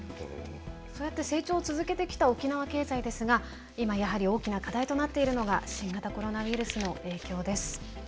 そうやって成長を続けてきた沖縄経済ですが今やはり大きな課題となっているのが新型コロナウイルスの影響です。